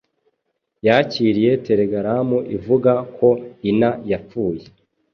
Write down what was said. Yakiriye telegaramu ivuga ko ina yapfuye.